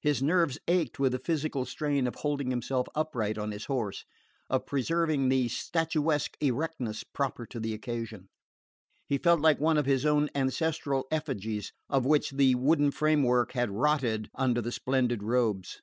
His nerves ached with the physical strain of holding himself upright on his horse, of preserving the statuesque erectness proper to the occasion. He felt like one of his own ancestral effigies, of which the wooden framework had rotted under the splendid robes.